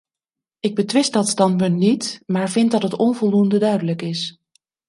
Ik betwist dat standpunt niet, maar vind dat het onvoldoende duidelijk is.